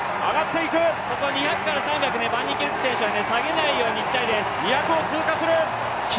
ここ、２００から３００はバンニーキルク選手は下げないように行きたいです。